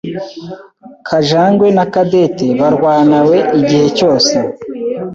Kajangwe Na Cadette barwanawe igihe cyose.